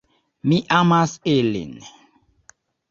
Mi amas ilin!